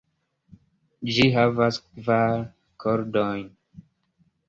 Ĝi havas kvar kordojn.